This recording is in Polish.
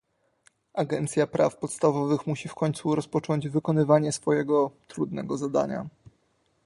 Agencja Praw Podstawowych musi w końcu rozpocząć wykonywanie swego trudnego zadania